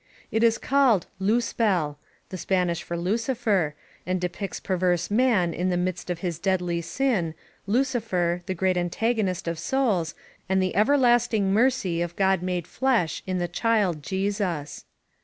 It is called ^^Luzbel," the Spanish for Lucifer, and depicts Perverse Man in the Midst of His Deadly Sin, Lucifer, the Great Anta^nist of Souls, and the Everlasting Mercy of God Made Flesh in the Child Jesus.